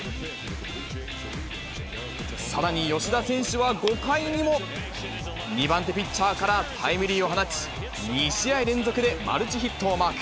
さらに吉田選手は５回にも、２番手ピッチャーからタイムリーを放ち、２試合連続でマルチヒットをマーク。